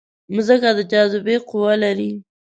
مځکه د جاذبې قوه لري.